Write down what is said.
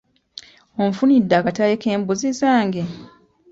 Onfunidde akatale k'embuzi zaange?